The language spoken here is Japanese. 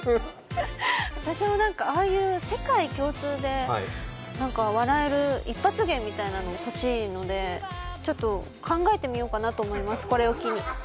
私もああいう、世界共通で笑える一発芸みたいなの欲しいので、考えてみようかなと思います、これを機に。